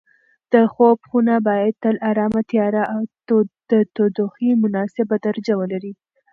د خوب خونه باید تل ارامه، تیاره او د تودوخې مناسبه درجه ولري.